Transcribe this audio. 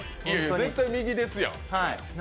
絶対右ですやん。